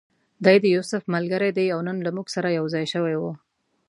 دی د یوسف ملګری دی او نن له موږ سره یو ځای شوی و.